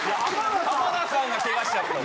浜田さんがケガしちゃってる。